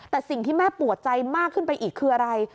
แต่สิ่งที่แม่ปวดใจมากขึ้นไปอีกคืออะไร